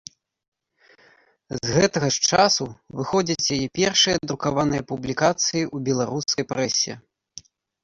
З гэтага ж часу выходзяць яе першыя друкаваныя публікацыі ў беларускай прэсе.